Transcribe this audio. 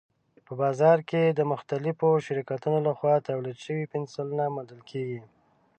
په بازار کې د مختلفو شرکتونو لخوا تولید شوي پنسلونه موندل کېږي.